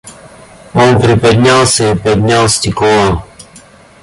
Он приподнялся и поднял стекло.